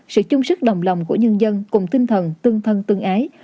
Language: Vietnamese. sự chung sức đồng lòng của nhân dân cùng tinh thần tương thân tương ái